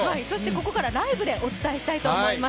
ここからライブでお伝えしたいと思います。